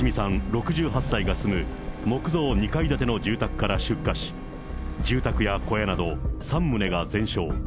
６８歳が住む木造２階建ての住宅から出火し、住宅や小屋など３棟が全焼。